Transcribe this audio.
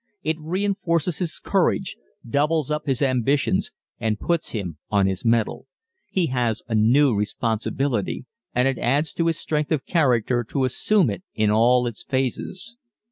It reinforces his courage, doubles up his ambitions and puts him on his metal. He has a new responsibility and it adds to his strength of character to assume it in all its phases.